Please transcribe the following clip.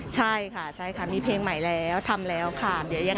ใช่ค่ะใช่ค่ะมีเพลงใหม่แล้วทำแล้วค่ะ